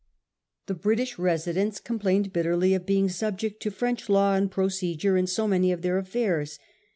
The British residents complained bitterly of being subject to French law and procedure in so many of their affairs.